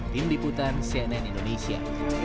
tim liputan cnn indonesia